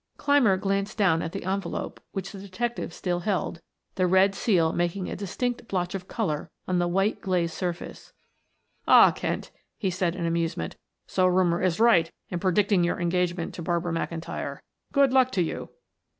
Clymer glanced down at the envelope which the detective still held, the red seal making a distinct blotch of color on the white, glazed surface. "Ah, Kent," he said in amusement. "So rumor is right in predicting your engagement to Barbara McIntyre. Good luck to you!"